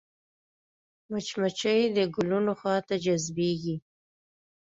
مچمچۍ د ګلونو خوا ته جذبېږي